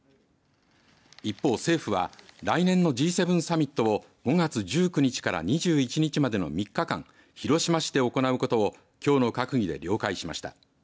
一方、政府は来年のＧ７サミットを５月１９日から２１日までの３日間広島市で行うことをきょうの閣議で了解しました。